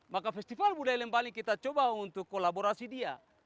maka festival budaya lembali kita coba untuk kolaborasi dia